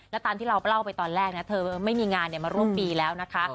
แล้วตามที่เราเล่าไปตอนแรกนะเธอไม่มีงานมาร่วมปีแล้วนะคะ